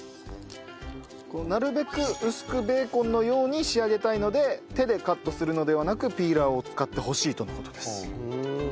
なるべく薄くベーコンのように仕上げたいので手でカットするのではなくピーラーを使ってほしいとの事です。